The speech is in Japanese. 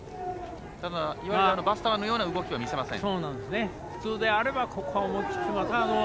いわゆる、バスターのような動きは見てません。